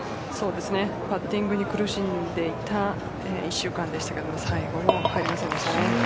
パッティングに苦しんでいた１週間でしたけど最後も入りませんでしたね。